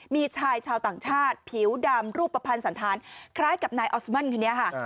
มีชายชาวต่างชาติผิวดำรูปภัณฑ์สันธารคล้ายกับนายออสมันคนนี้ค่ะ